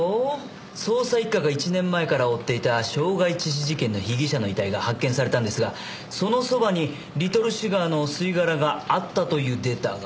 捜査一課が１年前から追っていた傷害致死事件の被疑者の遺体が発見されたんですがそのそばにリトルシガーの吸い殻があったというデータが。